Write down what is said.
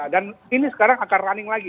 dan ini sekarang akan running lagi